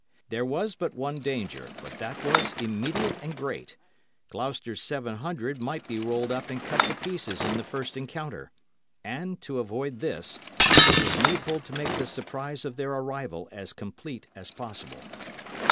There was but one danger, but that was imminent and great Gloucester's seven hundred might be rolled up and cut to pieces in the first encounter, and, to avoid this, it was needful to make the surprise of their arrival as complete as possible.